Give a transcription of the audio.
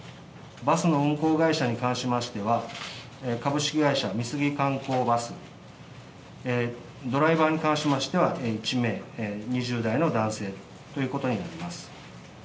バスの運行会社に関しましては、株式会社美杉観光バス、ドライバーに関しましては１名、２０代の男性ということになります。